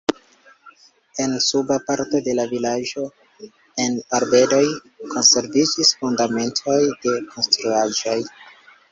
En suba parto de la vilaĝo en arbedoj konserviĝis fundamentoj de konstruaĵoj.